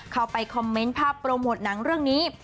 เข้าไปคอมเมนต์ภาพโปรโมทหนังเรื่องนี้